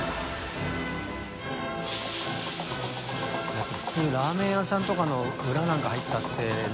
やっぱ普通ラーメン屋さんとかの裏なんか入ったってね。